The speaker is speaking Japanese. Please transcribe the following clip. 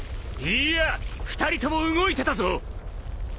いいや２人とも動いてたぞ！